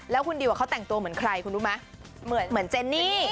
แล้วคุณดิวเขาแต่งตัวเหมือนใครคุณรู้ไหมเหมือนเจนี่